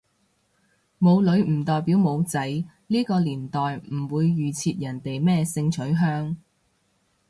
冇女唔代表冇仔，呢個年代唔會預設人哋咩性取向